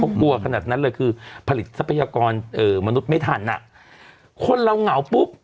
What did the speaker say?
เขากลัวขนาดนั้นเลยคือผลิตทรัพยากรเอ่อมนุษย์ไม่ทันอ่ะคนเราเหงาปุ๊บ